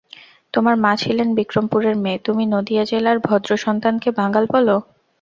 তোমার মা ছিলেন বিক্রমপুরের মেয়ে, তুমি নদীয়া জেলার ভদ্র-সন্তানকে বাঙাল বল?